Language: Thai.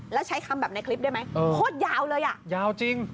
แล้วใช้คำแบบในคลิปได้ไหมโคตรยาวเลยอ่ะยาวจริง